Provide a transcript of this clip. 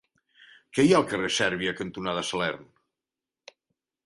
Què hi ha al carrer Sèrbia cantonada Salern?